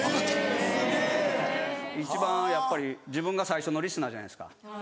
・すげぇ・一番やっぱり自分が最初のリスナーじゃないですか。